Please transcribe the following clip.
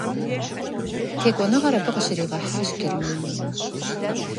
Текӏуэныгъэр абы къыщригъэхьащ Германием.